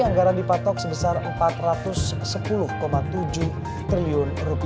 anggaran dipatok sebesar rp empat ratus sepuluh tujuh triliun